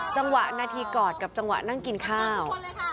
จังหวะนาทีกอดกับจังหวะนั่งกินข้าว